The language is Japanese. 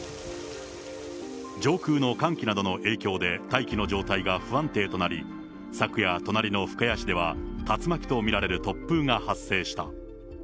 上空の寒気などの影響で大気の状態が不安定となり、昨夜、隣の深谷市では竜巻と見られる突風が発生した。